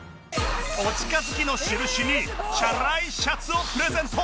お近づきの印にチャラいシャツをプレゼント